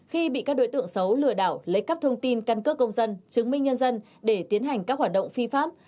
khi bị các đối tượng xấu lừa đảo lấy cắp thông tin căn cước công dân chứng minh nhân dân để tiến hành các hoạt động phi pháp